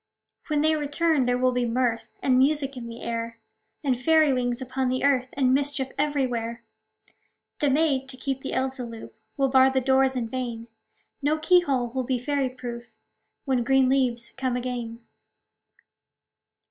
When they return, there will be mirth And music in the air, And fairy wings upon the earth, And mischief everywhere. The maids, to keep the elves aloof, Will bar the doors in vain ; No key hole will be fairy proof, When green leaves come again.